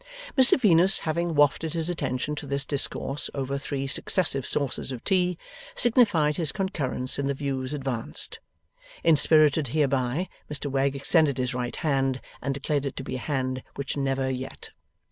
Mr Venus, having wafted his attention to this discourse over three successive saucers of tea, signified his concurrence in the views advanced. Inspirited hereby, Mr Wegg extended his right hand, and declared it to be a hand which never yet.